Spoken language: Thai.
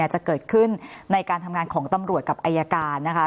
จะเกิดขึ้นในการทำงานของตำรวจกับอายการนะคะ